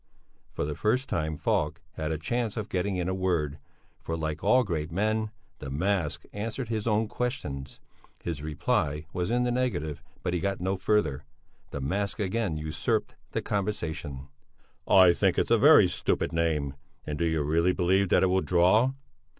For the first time Falk had a chance of getting in a word, for like all great men, the mask answered his own questions. His reply was in the negative but he got no further; the mask again usurped the conversation. "I think it's a very stupid name. And do you really believe that it will draw?"